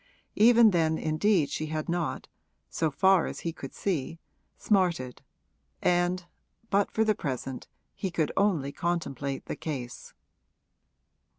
Even then indeed she had not, so far as he could see, smarted, and but for the present he could only contemplate the case.